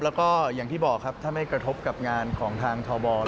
แล้วก็อย่างที่บอกครับถ้าไม่กระทบกับงานของทางทบ